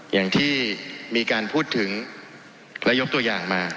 อย่างที่มีการพูดถึงและยกตัวอย่างมา